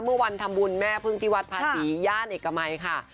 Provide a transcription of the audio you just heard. เมื่อวันทำบุญแม่พึ่งที่วัดภาษีย่านเอกมัยค่ะ